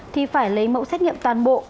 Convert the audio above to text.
thì phải lấy mẫu xét nghiệm toàn bộ